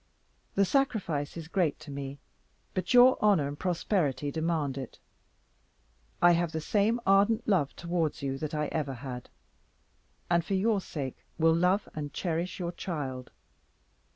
The sacrifice is great to me; but your honour and prosperity demand it. I have the same ardent love towards you that I ever had; and for your sake, will love and cherish your child.